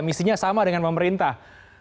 misinya sama dengan pemerintah